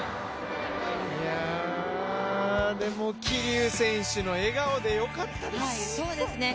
桐生選手の笑顔でよかったです。